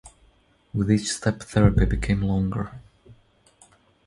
With each step, therapy became longer.